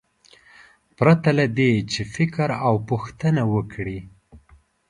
پرته له دې چې فکر او پوښتنه وکړي.